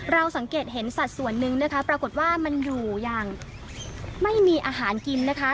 สังเกตเห็นสัตว์ส่วนนึงนะคะปรากฏว่ามันอยู่อย่างไม่มีอาหารกินนะคะ